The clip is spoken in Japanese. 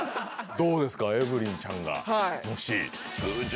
どうですかエブリンちゃんが。